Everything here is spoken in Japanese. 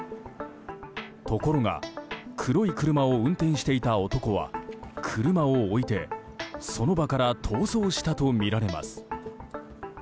ところが黒い車を運転していた男は車を置いて、その場から逃走したとみられます。